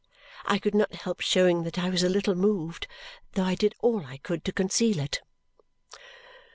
I could not help showing that I was a little moved, though I did all I could to conceal it.